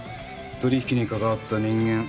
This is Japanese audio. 取引にかかわった人間